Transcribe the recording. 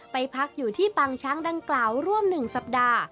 ไปพักอยู่ที่ปางช้างดังกล่าวร่วม๑สัปดาห์